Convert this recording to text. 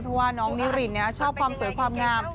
เพราะว่าน้องนิรินชอบความสวยความงาม